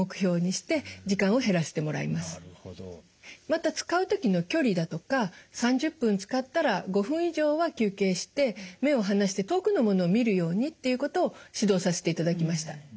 また使う時の距離だとか３０分使ったら５分以上は休憩して目を離して遠くの物を見るようにっていうことを指導させていただきました。